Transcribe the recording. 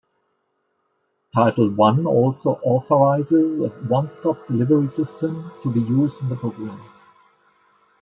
Title one also authorizes a one-stop delivery system to be used in the program.